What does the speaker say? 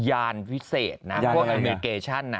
ยานพิเศษนะ